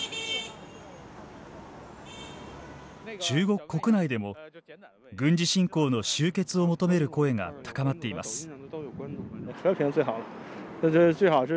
中国国内でも軍事侵攻の終結を求める声が高まっています。